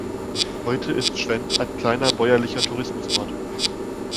Heute ist Schwendt ein kleiner bäuerlicher Tourismusort.